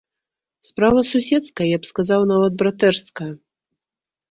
Справа суседская, я б сказаў, нават братэрская.